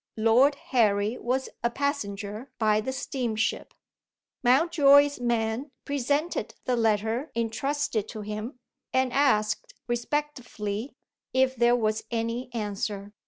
Lord Harry was a passenger by the steamship. Mountjoy's man presented the letter entrusted to him, and asked respectfully if there was any answer.